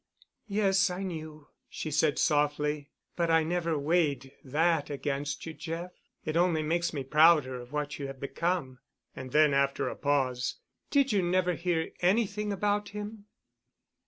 "Yes, I knew," she said softly. "But I never weighed that against you, Jeff. It only makes me prouder of what you have become." And then, after a pause, "Did you never hear anything about him?"